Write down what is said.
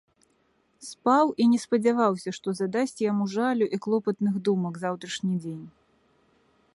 Спаў і не спадзяваўся, што задасць яму жалю і клопатных думак заўтрашні дзень.